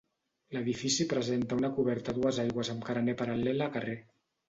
L'edifici presenta una coberta a dues aigües amb carener paral·lel a carrer.